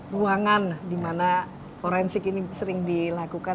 ruangan dimana forensik ini sering dilakukan